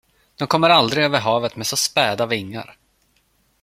De kommer aldrig över havet med så späda vingar.